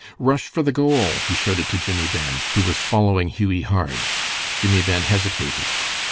"Rush for the goal!" he shouted to Jimmie Ben, who was following Hughie hard. Jimmie Ben hesitated.